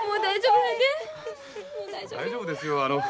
大丈夫ですよ。